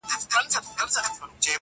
هغې بدل که را ماته سزا پروردګاره